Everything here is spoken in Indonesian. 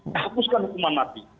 menghapuskan hukuman mati